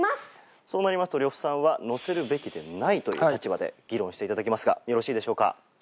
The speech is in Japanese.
そうなりますと呂布さんは載せるべきでないという立場で議論して頂きますがよろしいでしょうか？